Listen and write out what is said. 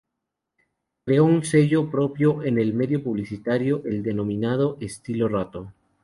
Creó un sello propio en el medio publicitario, el denominado "estilo Ratto".